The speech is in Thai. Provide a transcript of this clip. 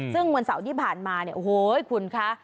ซึ่งวันเสาร์ที่ผ่านมาเนี่ยโอ้โหคุณคะ